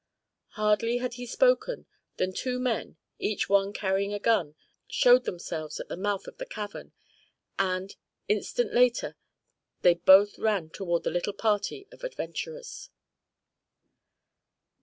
Hardly had he spoken than two men, each one carrying a gun, showed themselves in the mouth of the cavern, and, instant later they both ran toward the little party of adventurers.